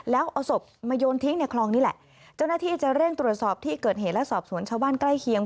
แล้วเอาศพมาโยนทิ้งในคลองนี่แหละเจ้าหน้าที่จะเร่งตรวจสอบที่เกิดเหตุและสอบสวนชาวบ้านใกล้เคียง